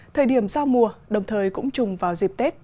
thời điểm giao mùa đồng thời cũng trùng vào dịp tết